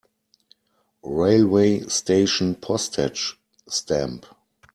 Railway station Postage stamp.